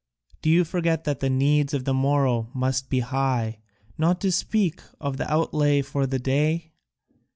Do you forget that the needs of the morrow must be high, not to speak of the outlay for the day?"